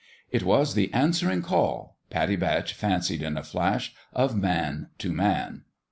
It was the answering call Pattie Batch fancied in a flash of man to man.